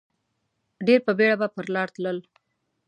ډېر په بېړه به پر لار تلل.